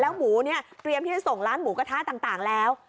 หมูเนี่ยเตรียมที่จะส่งร้านหมูกระทะต่างแล้ว